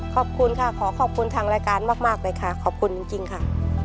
ขอบคุณค่ะขอขอบคุณทางรายการมากเลยค่ะขอบคุณจริงค่ะ